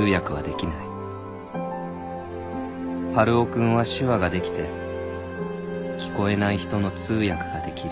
「春尾君は手話ができて聞こえない人の通訳ができる」